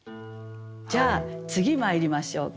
じゃあ次まいりましょうか。